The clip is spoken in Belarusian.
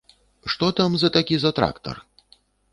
Што там за такі за трактар?